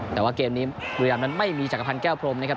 แต่ว่าเกมนี้บุรีรำนั้นไม่มีจักรพันธ์แก้วพรมนะครับ